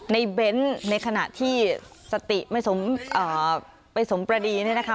เบ้นในขณะที่สติไม่สมประดีเนี่ยนะคะ